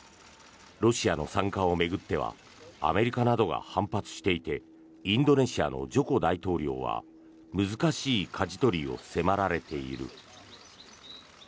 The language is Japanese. ロシアの参加を巡ってはアメリカなどが反発していてインドネシアのジョコ大統領は難しいかじ取りを迫られている。